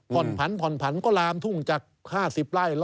ผ่อนผันผ่อนผันก็ลามทุ่งจาก๕๐ไร่